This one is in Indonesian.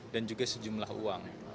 dan juga sejumlah uang